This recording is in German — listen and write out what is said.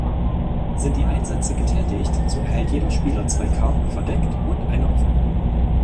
Sind die Einsätze getätigt, so erhält jeder Spieler zwei Karten verdeckt und eine offen.